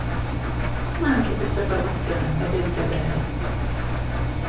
Ma anche questa formazione ebbe vita breve.